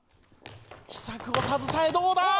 秘策を携えどうだ？